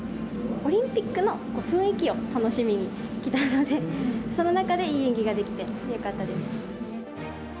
オリンピックの雰囲気を楽しみに来たので、その中でいい演技ができて、よかったです。